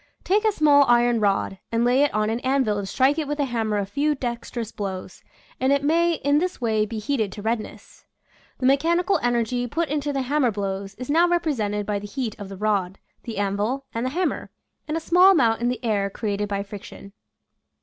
Take a small iron rod and lay it on an anvil and strike it with a hammer a few dexterous blows, and it may in this way be heated to redness. The mechanical energy put into the hammer blows is now represented by the heat of the rod, the anvil, and the ham mer, and a small amount in the air created by friction.